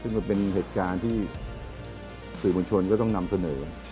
ซึ่งมันเป็นเหตุการณ์ที่สื่อมวลชนก็ต้องนำเสนอ